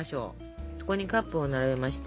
そこにカップを並べまして。